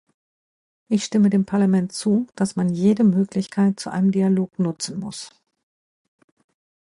Ich stimme dem Parlament zu, dass man jede Möglichkeit zu einem Dialog nutzen muss.